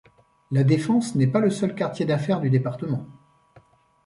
La Défense n'est pas le seul quartier d'affaires du département.